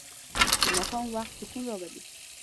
د ماښام وخت سکون راولي.